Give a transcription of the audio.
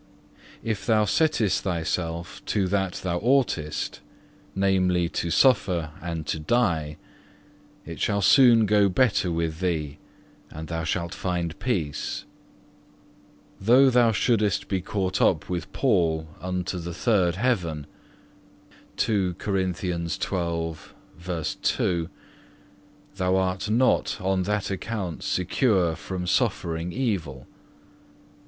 12. If thou settest thyself to that thou oughtest, namely, to suffer and to die, it shall soon go better with thee, and thou shalt find peace. Though thou shouldest be caught up with Paul unto the third heaven,(5) thou art not on that account secure from suffering evil.